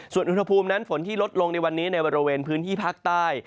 ส่วนอุณหภูมินั้นฝนที่ลดลงในวันนี้ในบริเวณพื้นที่ภาคใต้